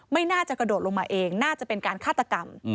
ไม่น่าจะกระโดดลงมาเองน่าจะเป็นการฆาตกรรม